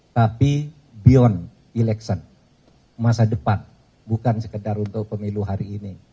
tapi beyond election masa depan bukan sekedar untuk pemilu hari ini